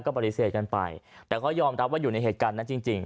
ปฏิเสธกันไปแต่ก็ยอมรับว่าอยู่ในเหตุการณ์นั้นจริง